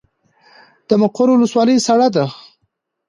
د مقر ولسوالۍ سړه ده